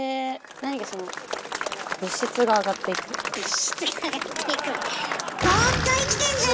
物質が上がっていく。